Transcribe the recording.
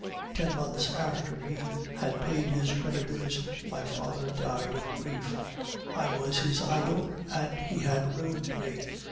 Ten months after he had paid his creditors, my father died of grief; I was his idol, and he had ruined me!